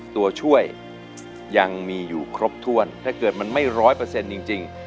ตัวช่วยยังมีอยู่ครบถ้วนถ้าเกิดมันไม่ร้อยเปอร์เซ็นต์จริง